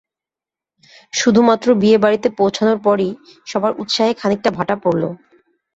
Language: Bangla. শুধুমাত্র বিয়েবাড়িতে পৌঁছানোর পরই সবার উৎসাহে খানিকটা ভাটা পড়ল।